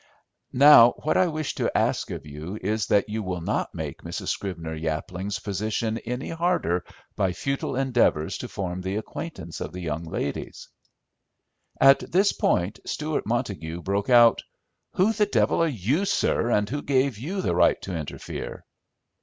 "Now what I wish to ask of you is that you will not make Mrs. Scrivener Yapling's position any harder by futile endeavours to form the acquaintance of the young ladies." At this point Stewart Montague broke out. "Who the devil are you, sir, and who gave you the right to interfere?"